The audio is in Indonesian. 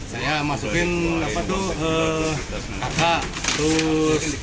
saya masukin kata terus